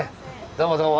どうもどうも。